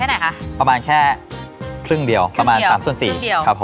แค่ไหนค่ะประมาณแค่ครึ่งเดียวครึ่งเดียวประมาณสามส่วนสี่ครับผม